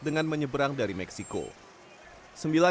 dengan menyeberang dari negara negara rusia